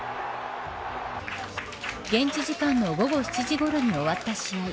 現地時間の午後７時ごろに終わった試合。